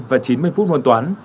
và chín mươi phút môn toán